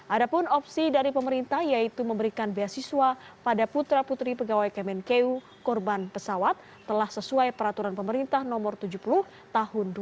ada pun opsi dari pemerintah yaitu memberikan beasiswa pada putra putri pegawai kemenkeu korban pesawat telah sesuai peraturan pemerintah no tujuh puluh tahun dua ribu dua